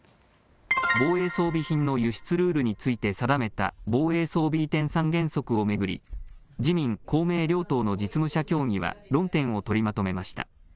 防衛装備品の輸出ルールについて定めた防衛装備移転三原則を巡り自民公明両党の実務者協議は論点を取りまとめました。